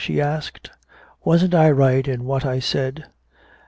she asked. "Wasn't I right in what I said?"